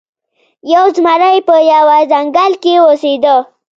یو زمری په یوه ځنګل کې اوسیده.